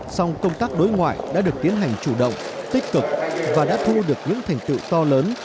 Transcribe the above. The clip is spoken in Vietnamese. song công tác đối ngoại đã được tiến hành chủ động tích cực và đã thu được những thành tựu to lớn